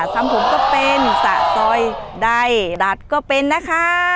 ทำผมก็เป็นสะซอยใดดัดก็เป็นนะคะ